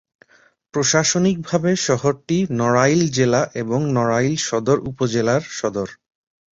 প্রশাসনিকভাবে শহরটি নড়াইল জেলা এবং নড়াইল সদর উপজেলার সদর।